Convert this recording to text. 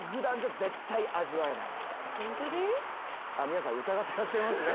皆さん疑ってらっしゃいますね。